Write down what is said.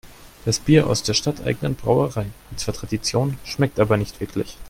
Das Bier aus der stadteigenen Brauerei hat zwar Tradition, schmeckt aber nicht wirklich.